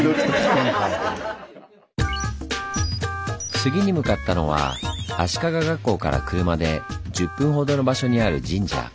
次に向かったのは足利学校から車で１０分ほどの場所にある神社。